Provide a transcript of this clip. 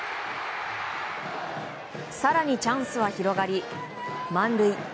更にチャンスは広がり満塁。